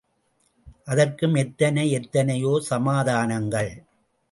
அதற்கும் எத்தனை எத்தனையோ சமாதானங்கள்.